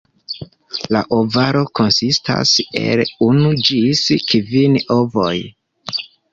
La ovaro konsistas el unu ĝis kvin ovoj.